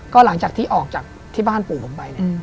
ก็หลังจากที่ออกที่บ้านปู่ผมไป